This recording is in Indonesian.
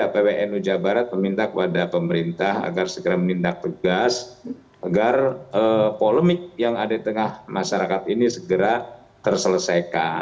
pertama ada tiga rekomendasi